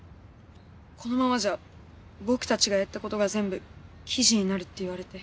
このままじゃ僕たちがやった事が全部記事になるって言われて。